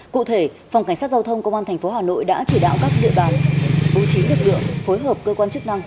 cụ thể phòng cảnh sát giao thông công an tp hà nội đã chỉ đạo các địa bàn bố trí lực lượng phối hợp cơ quan chức năng